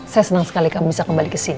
saya senang sekali kamu bisa kembali kesini